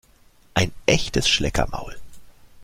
Ein echtes Schleckermaul!